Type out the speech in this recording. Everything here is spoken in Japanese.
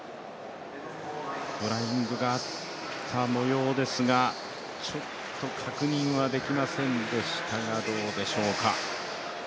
フライングがあったもようですが、ちょっと確認はできませんでしたがどうでしょうか。